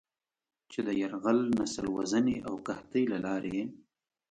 چې د "يرغل، نسل وژنې او قحطۍ" له لارې یې